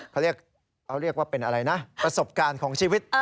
เขาเรียกว่าเป็นอะไรนะประสบการณ์ของชีวิต